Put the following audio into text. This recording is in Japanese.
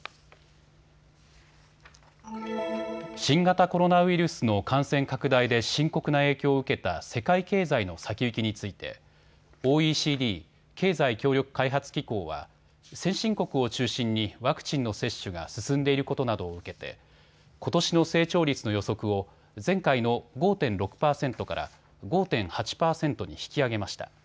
新型コロナウイルスの感染拡大で深刻な影響を受けた世界経済の先行きについてＯＥＣＤ・経済協力開発機構は先進国を中心にワクチンの接種が進んでいることなどを受けてことしの成長率の予測を前回の５．６％から５．８％に引き上げました。